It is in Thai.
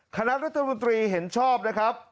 คณะรัฐมนตรีเห็นชอบนะครับ